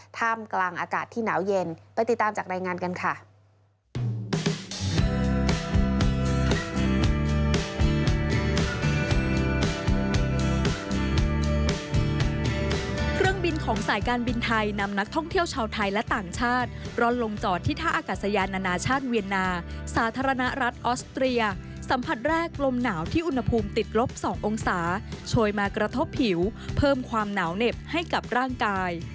ท่ามกลางอากาศที่หนาวเย็นไปติดตามจากรายงานกันค่ะ